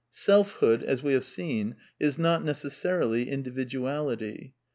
Selfhood, as we have seen, is not necessarily individuality.